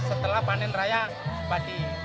setelah panen raya padi